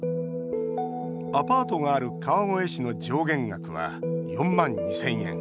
アパートがある川越市の上限額は４万２０００円。